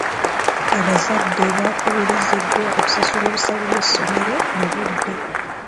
Abazadde baakubiriziddwa okusasula ebisale by'essomero mu budde.